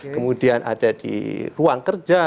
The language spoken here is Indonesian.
kemudian ada di ruang kerja